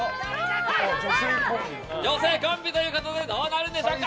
女性コンビということでどうなるんでしょうか。